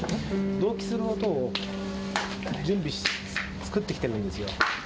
同期する音を準備して、作ってきたんですよ。